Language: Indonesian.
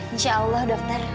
insya allah dokter